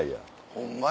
ホンマや。